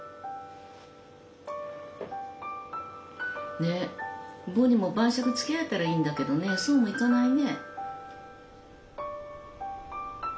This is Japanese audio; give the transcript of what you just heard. ねっボニーも晩酌つきあえたらいいんだけどねそうもいかないね。